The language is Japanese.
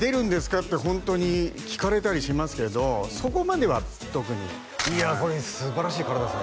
ってホントに聞かれたりしますけどそこまでは特にいやこれすばらしい体ですね